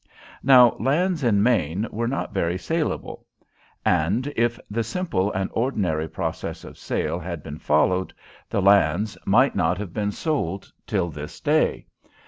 Now lands in Maine were not very salable, and, if the simple and ordinary process of sale had been followed, the lands might not have been sold till this day.